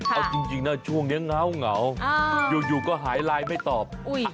เอาจริงนะช่วงนี้เงาอยู่ก็หายไลน์ไม่ตอบ